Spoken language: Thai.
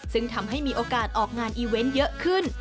ซึ่งทำให้มีโอกาสออกงานอีเวนต์เยอะขึ้น